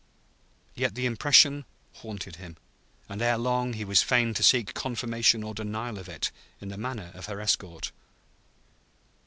Yet the impression haunted him, and ere long he was fain to seek confirmation or denial of it in the manner of her escort.